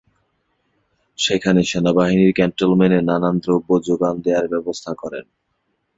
সেখানে সেনাবাহিনীর ক্যান্টনমেন্টে নানান দ্রব্য জোগান দেওয়ার ব্যবসা করেন।